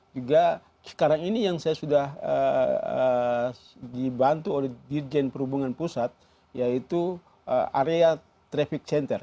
juga sekarang ini yang saya sudah dibantu oleh dirjen perhubungan pusat yaitu area traffic center